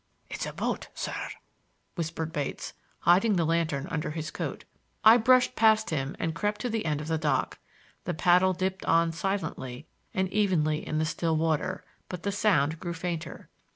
"It's a boat, sir," whispered Bates, hiding the lantern under his coat. I brushed past him and crept to the end of the dock. The paddle dipped on silently and evenly in the still water, but the sound grew fainter.